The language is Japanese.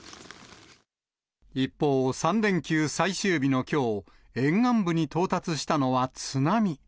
一方、３連休最終日のきょう、沿岸部に到達したのは津波。